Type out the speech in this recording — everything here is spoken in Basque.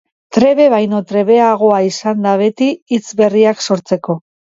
Trebe baino trebeagoa izan da beti hitz berriak sortzeko.